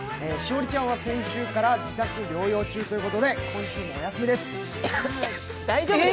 栞里ちゃんは先週から、自宅療養中ということで今週もお休みです。